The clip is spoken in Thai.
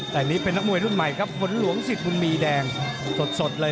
ในนี้เป็นน้ำมวยรุ่นใหม่ครับฝนหลวงสิดจุดมีแดงสดเลย